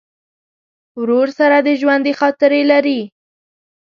ورور سره د ژوندي خاطرې لرې.